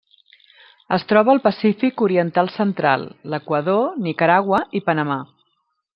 Es troba al Pacífic oriental central: l'Equador, Nicaragua i Panamà.